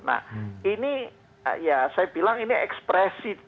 nah ini ya saya bilang ini ekspresi